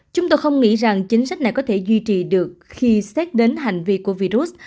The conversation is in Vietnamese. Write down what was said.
chúng tôi không nghĩ rằng chính sách này có thể duy trì được khi xét đến hành vi của virus